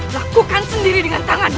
lakukan sendiri dengan tangan